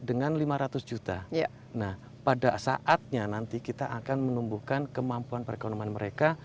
dengan lima ratus juta nah pada saatnya nanti kita akan menumbuhkan kemampuan perekonomian mereka